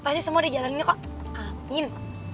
pasti semua di jalan ini kok angin